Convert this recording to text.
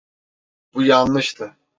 Bu yanlıştı.